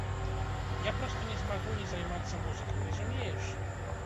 Я проста не змагу не займацца музыкай, разумееш?